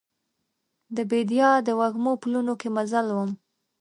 د بیدیا د وږمو پلونو کې مزل وم